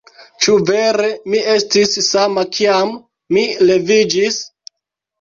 Ĉu vere mi estis sama kiam mi leviĝis?